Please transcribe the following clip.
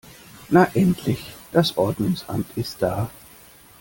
Na endlich, das Ordnungsamt ist da!